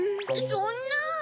そんなぁ。